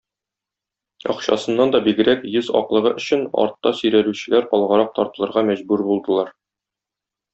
Акчасыннан да бигрәк йөз аклыгы өчен, артта сөйрәлүчеләр алгарак тартылырга мәҗбүр булдылар.